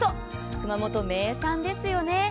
熊本名産ですよね。